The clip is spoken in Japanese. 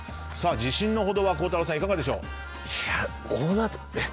自信のほどは孝太郎さん、いかがでしょうか。